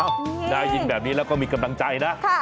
อ้าวยายยินแบบนี้แล้วก็มีกำลังใจนะ